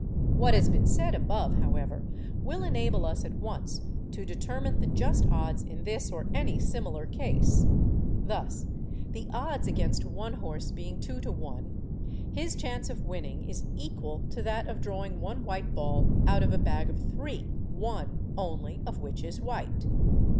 What has been said above, however, will enable us at once to determine the just odds in this or any similar case. Thus the odds against one horse being 2 to 1, his chance of winning is equal to that of drawing one white ball out of a bag of three, one only of which is white.